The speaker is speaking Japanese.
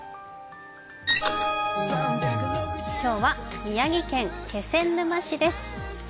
今日は宮城県気仙沼市です。